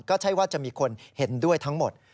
ก็ใช่ว่าจะมีคนเห็นด้วยทั้งหมด